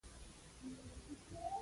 ته خپله ښه یې ؟